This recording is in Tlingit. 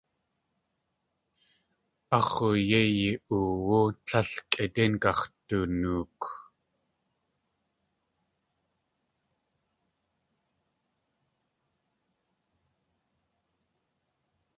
A x̲oo yéi yi.oowú, tlél kʼidéin gax̲dunook.